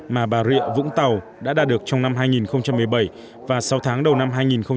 mà bà rịa vũng tàu đã đạt được trong năm hai nghìn một mươi bảy và sáu tháng đầu năm hai nghìn một mươi tám